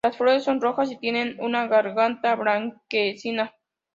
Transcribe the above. Las flores son rojas y tienen una garganta blanquecina.